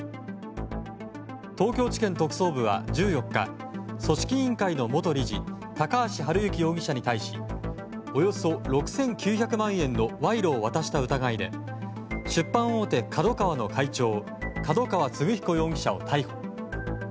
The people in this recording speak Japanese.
東京地検特捜部は１４日組織委員会の元理事高橋治之容疑者に対しおよそ６９００万円の賄賂を渡した疑いで出版大手ＫＡＤＯＫＡＷＡの会長角川歴彦容疑者を逮捕。